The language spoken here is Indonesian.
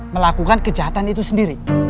melakukan kejahatan itu sendiri